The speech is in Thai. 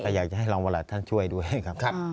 ถ้าอยากให้รองประหลัดท่านช่วยด้วยครับ